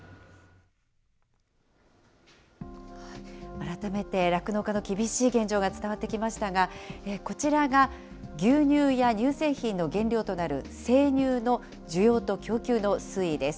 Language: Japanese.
改めて、酪農家の厳しい現状が伝わってきましたが、こちらが牛乳や乳製品の原料となる生乳の需要と供給の推移です。